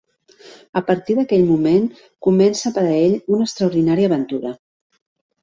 A partir d'aquell moment comença per a ell una extraordinària aventura.